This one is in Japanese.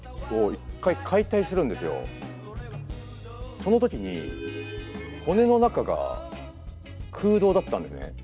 その時に骨の中が空洞だったんですね。